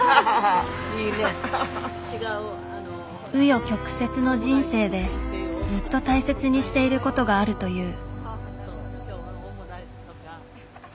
紆余曲折の人生でずっと大切にしていることがあるという。